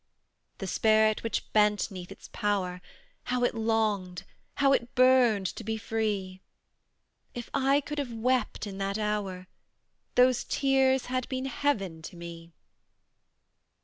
The spirit which bent 'neath its power, How it longed how it burned to be free! If I could have wept in that hour, Those tears had been heaven to me.